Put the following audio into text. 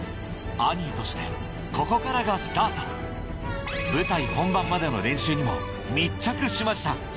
アニーとしてここからがスタート舞台本番までの練習にも密着しました